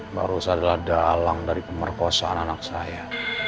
mbak rosa adalah dalang dari pemerkosaan anak saya